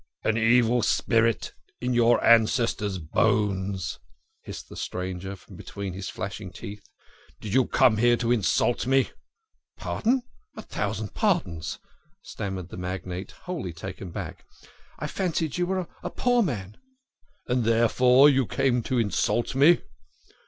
" An evil spirit in your ancestors' bones !" hissed the stranger, from between his flashing teeth. " Did you come here to insult me ?"" Pardon, a thousand pardons !" stammered the magnate, wholly taken aback. " I fancied you were a a a poor man." " And, therefore, you came to insult me